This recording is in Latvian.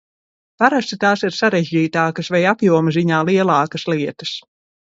Parasti tās ir sarežģītākas vai apjoma ziņā lielākas lietas.